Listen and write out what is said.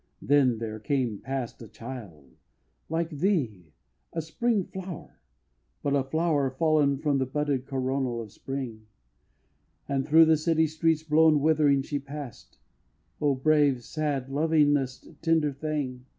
Then there came past A child; like thee, a spring flower; but a flower Fallen from the budded coronal of Spring, And through the city streets blown withering. She passed, O brave, sad, lovingest, tender thing!